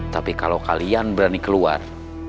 tapi kalau kalian berani keluar